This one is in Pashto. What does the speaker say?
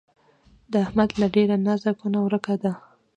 د احمد له ډېره نازه کونه ورکه ده.